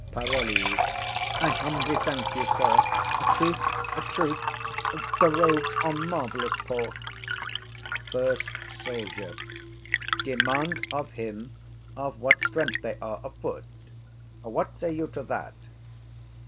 PAROLLES. I humbly thank you, sir; a truth's a truth, the rogues are marvellous poor. FIRST SOLDIER. 'Demand of him of what strength they are a foot.' What say you to that?